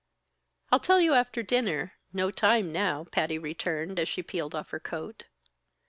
"I'll tell you after dinner. No time now," Patty returned as she peeled off her coat.